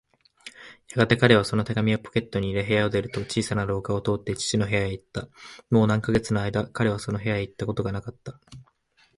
やがて彼はその手紙をポケットに入れ、部屋を出ると、小さな廊下を通って父の部屋へいった。もう何カ月かのあいだ、彼はその部屋へいったことがなかった。